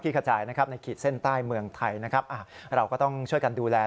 ขจายนะครับในขีดเส้นใต้เมืองไทยนะครับเราก็ต้องช่วยกันดูแล